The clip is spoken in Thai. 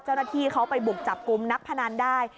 เจ้าหน้าที่เขาไปบุกจับกลุ่มนักพนันได้